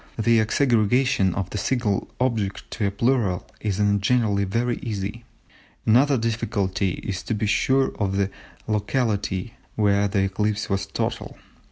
The exaggeration of a single object into a plural is in general very easy. Another difficulty is to be sure of the locality where the eclipse was total.